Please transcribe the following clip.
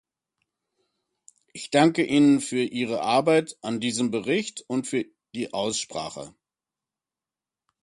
Ich danke Ihnen für Ihre Arbeit an diesem Bericht und für die Aussprache.